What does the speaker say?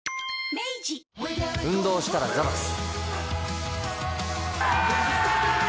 明治運動したらザバス。